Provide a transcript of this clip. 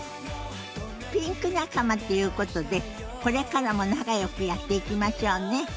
ピンク仲間っていうことでこれからも仲よくやっていきましょうね。